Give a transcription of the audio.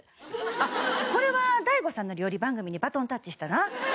あっこれはＤＡＩＧＯさんの料理番組にバトンタッチしたな。